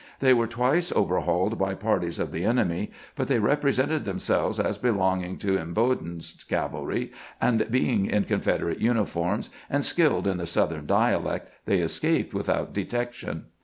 They were twice over hauled by parties of the enemy, but they represented themselves as belonging to Imboden's cavahy, and being in Confederate uniforms and skilled in the Southern dialect, they escaped without detection.